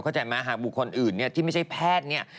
เข้าใจไหมหากบุคคลอื่นที่ไม่ใช่แพทย์